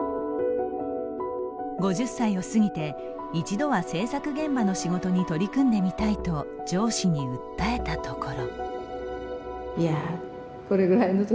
５０歳を過ぎて一度は制作現場の仕事に取り組んでみたいと上司に訴えたところ。